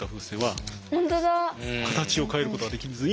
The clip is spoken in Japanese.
形を変えることはできずに。